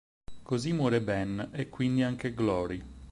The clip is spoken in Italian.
Così muore Ben, e quindi anche Glory.